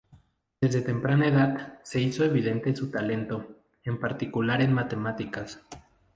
Desde temprana edad se hizo evidente su talento, en particular en matemáticas.